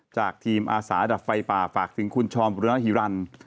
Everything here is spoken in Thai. จากทีมอาสาดับไฟป่าฝากถึงคุณชอมบุรณฮิรันดิ์